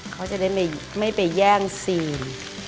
เขาจะได้ไม่ไปแย่งซีน